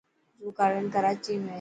زو گارڊن ڪراچي ۾ هي.